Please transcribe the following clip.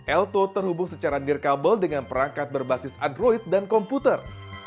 elto terhubung secara dear kabel dengan perangkat berbasis android dan komputer